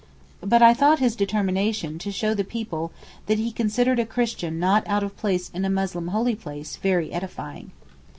but I thought his determination to show the people that he considered a Christian not out of place in a Muslim holy place very edifying.